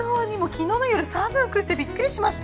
昨日の夜寒くてびっくりしました。